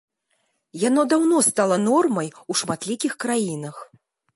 Яно даўно стала нормай у шматлікіх краінах.